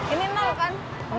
ini kan